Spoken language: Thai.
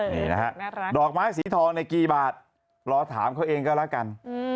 นี่นะฮะดอกไม้สีทองในกี่บาทรอถามเขาเองก็แล้วกัน